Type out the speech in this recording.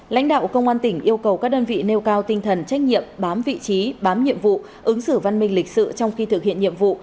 lãnh đạo công an tỉnh yêu cầu các đơn vị nêu cao tinh thần trách nhiệm bám vị trí bám nhiệm vụ ứng xử văn minh lịch sự trong khi thực hiện nhiệm vụ